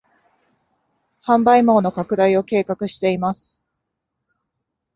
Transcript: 販売網の拡大を計画しています